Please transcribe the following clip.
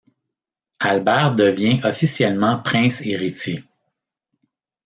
Albert devient officiellement prince héritier.